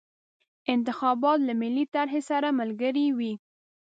انتخابات له ملي طرحې سره ملګري وي.